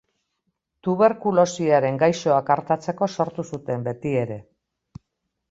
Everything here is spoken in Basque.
Tuberkulosiaren gaixoak artatzeko sortu zuten, beti ere.